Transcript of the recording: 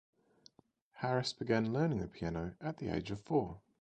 Harris began learning the piano at the age of four.